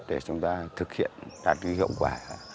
để chúng ta thực hiện đạt được hiệu quả